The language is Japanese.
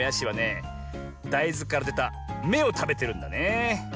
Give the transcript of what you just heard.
だいずからでた「め」をたべてるんだねえ。